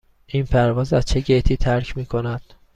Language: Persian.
این پرواز از چه گیتی ترک می کند؟